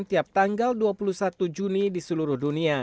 tiap tanggal dua puluh satu juni di seluruh dunia